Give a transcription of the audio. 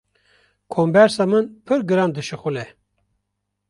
Kombersa min pir giran dişuxile.